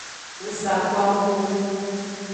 Ng sa ko awuwo.